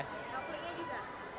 kau kliknya juga